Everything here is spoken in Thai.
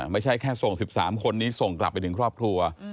ไม่ใช่แค่ส่ง๑๓คนนี้ส่งกลับไปถึงครอบครัว